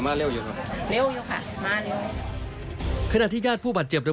สวนไปก็ไม่มีรถไฟเงียบเลย